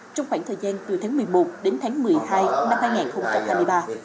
trong khoảng thời gian từ tháng một mươi một đến tháng một mươi hai năm hai nghìn hai mươi ba